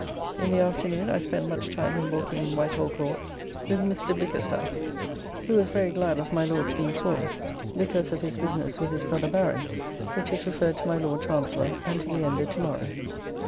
In the afternoon I spent much time in walking in White Hall Court with Mr. Bickerstaffe, who was very glad of my Lord's being sworn, because of his business with his brother Baron, which is referred to my Lord Chancellor, and to be ended to morrow.